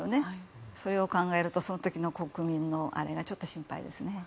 それを考えるとその時の国民のあれがちょっと心配ですね。